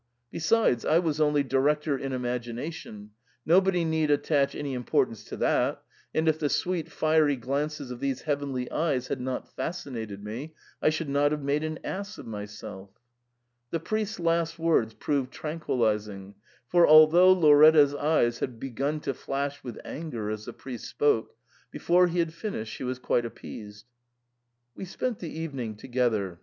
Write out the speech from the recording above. Besides, I was only director in imagination ; nobody need attach any importance to that, and if the sweet fiery glances of these heavenly eyes had not fascinated me, I should not have made an ass of myself.' The priest's last words proved tranquillising, for, although Lauretta's eyes had begun to flash with anger as the priest spoke, before he had finished she was quite appeased. We spent the evening together.